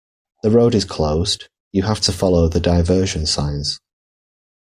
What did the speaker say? The road is closed. You have to follow the diversion signs